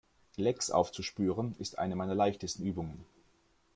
Lecks aufzuspüren, ist eine meiner leichtesten Übungen.